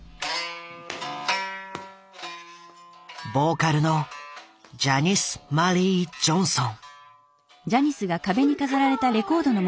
ボーカルのジャニス・マリー・ジョンソン。